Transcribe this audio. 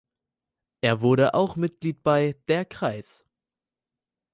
Er wurde auch Mitglied bei „Der Kreis“.